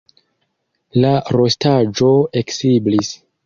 La rostaĵo eksiblis.